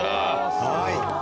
はい。